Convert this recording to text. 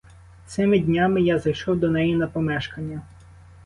Цими днями я зайшов до неї на помешкання.